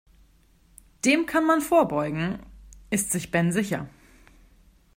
Dem kann man vorbeugen, ist sich Ben sicher.